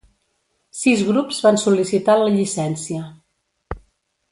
Sis grups van sol·licitar la llicència.